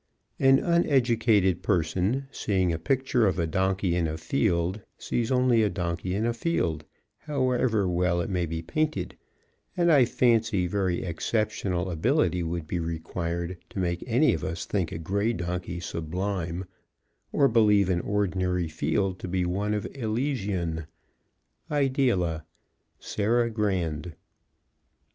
An uneducated person, seeing a picture of a donkey in a field, sees only a donkey in a field, however well it may be painted, and I fancy very exceptional ability would be required to make any of us think a gray donkey sublime, or believe an ordinary field to be one of Elysian. _Ideala Sarah Grand.